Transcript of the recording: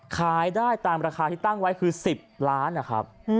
ขายได้ตามราคาที่ตั้งไว้คือ๑๐ล้านนะครับ